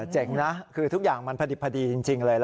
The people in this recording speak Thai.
เจ๋งนะคือทุกอย่างมันพอดิบพอดีจริงเลย